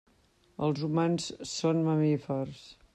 Els humans són mamífers.